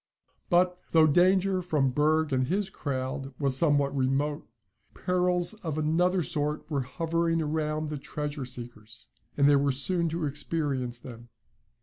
But though danger from Berg and his crowd was somewhat remote, perils of another sort were hovering around the treasure seekers, and they were soon to experience them.